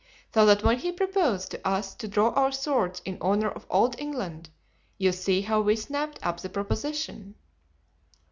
So that when he proposed to us to draw our swords in honor of old England you see how we snapped up the proposition."